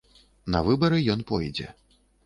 На выбары ён пойдзе.